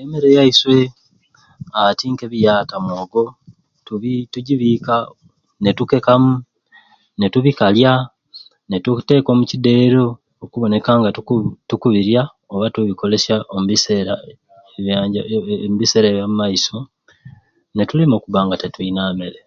Emmere yaswei ati nka ebiyaata mwogo tubi tugibika netukekeamu netubikalya ne tuteeka omu kidero okuboneka nga tu tukubirya oba tubikolesya omu bise omu bisera byamumaiso netulema okuba nga tetulina mmere